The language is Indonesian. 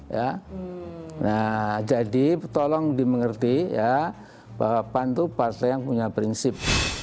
ya nah jadi tolong dimengerti ya bahwa pan itu partai yang punya prinsip